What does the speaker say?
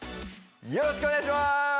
よろしくお願いします！